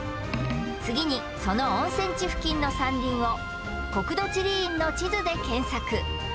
次にその温泉地付近の山林を国土地理院の地図で検索